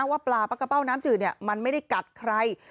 ว่าปลาปลากระเป้าน้ำจืดมันไม่ได้กัดใคร